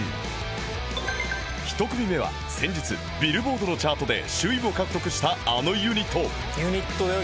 １組目は先日ビルボードのチャートで首位を獲得したあのユニットユニットだよ